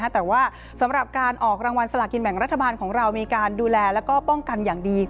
แต่ว่าสำหรับการออกรางวัลสลากินแบ่งรัฐบาลของเรามีการดูแลแล้วก็ป้องกันอย่างดี